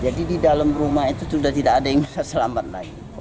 jadi di dalam rumah itu sudah tidak ada yang bisa selamat lagi